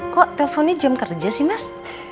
kok telponnya jam kerja sih mas